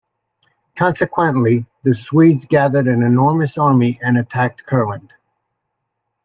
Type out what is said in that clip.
Consequently, the Swedes gathered an enormous army and attacked Curland.